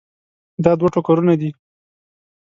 دا دوه ټوکرونه دي.